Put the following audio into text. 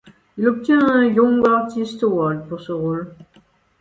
Il obtient un Young Artist Award pour ce rôle.